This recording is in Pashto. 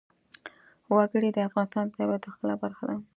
وګړي د افغانستان د طبیعت د ښکلا برخه ده.